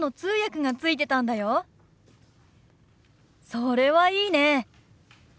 それはいいね。